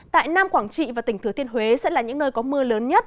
tại nam quảng trị và tỉnh thừa thiên huế sẽ là những nơi có mưa lớn nhất